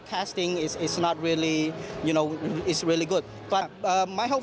แต่อีกคนที่อยู่ในไม่มีวิทยาลัยแบบ